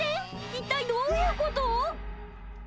一体どういうこと？